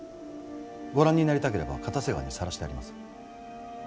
ご覧になりたければ固瀬川にさらしてあります。